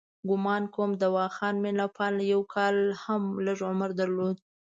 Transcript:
ګومان کوم دواخان مینه پال یو کال هم لږ عمر درلود.